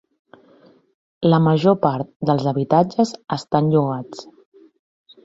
La major part dels habitatges estan llogats.